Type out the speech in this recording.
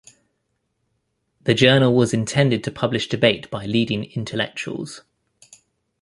The journal was intended to publish debate by leading intellectuals.